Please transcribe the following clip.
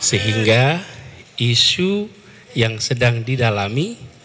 sehingga isu yang sedang didalami